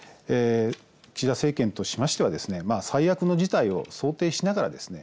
岸田政権としましては最悪の事態を想定しながらですね